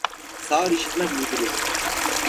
Sağır işitmez uydurur.